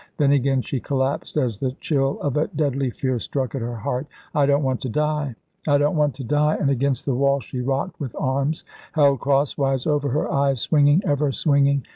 Then again she collapsed as the chill of a deadly fear struck at her heart. "I don't want to die I don't want to die!" and against the wall she rocked with arms held crosswise over her eyes, swinging, ever swinging.